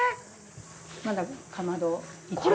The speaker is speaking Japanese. まだかまど一応。